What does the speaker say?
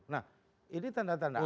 nah ini tanda tanda